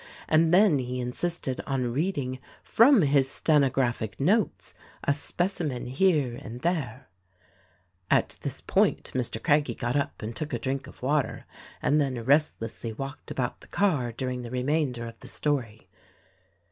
And he then insisted on reading from his stenographic notes a specimen here and there " At this point Mr. Craggie got up and took a drink of water and then restlessly walked about the car during the remainder of the story.